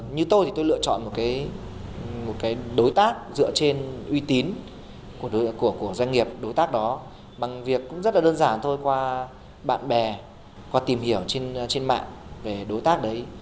như tôi thì tôi lựa chọn một cái đối tác dựa trên uy tín của doanh nghiệp đối tác đó bằng việc cũng rất là đơn giản thôi qua bạn bè qua tìm hiểu trên mạng về đối tác đấy